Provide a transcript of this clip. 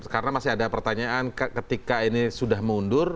karena masih ada pertanyaan ketika ini sudah mundur